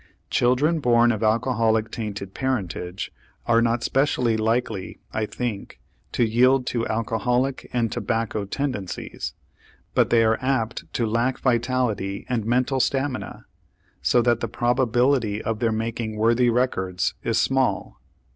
Children born of alcoholic tainted parentage are not specially likely, I think, to yield to alcoholic and tobacco tendencies; but they are apt to lack vitality and mental stamina, so that the probability of their making worthy records is small.